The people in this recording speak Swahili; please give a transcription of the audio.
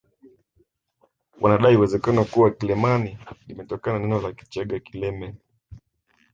Wanadai uwezekano kuwa Kileman limetokana na neno la Kichaga kileme